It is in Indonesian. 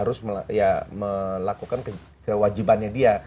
terus melakukan kewajibannya dia